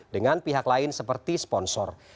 dengan pihak lain seperti sponsor